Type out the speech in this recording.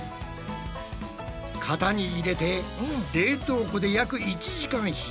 型に入れて冷凍庫で約１時間冷やすだけ。